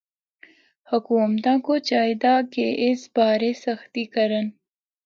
حکومتاں کو چاہیدا کہ اس بارے سختی کرن۔